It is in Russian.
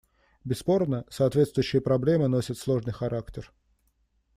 Бесспорно, соответствующие проблемы носят сложный характер.